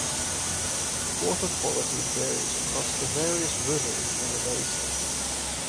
Water quality varies across the various rivers in the basin.